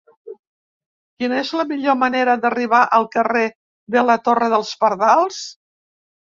Quina és la millor manera d'arribar al carrer de la Torre dels Pardals?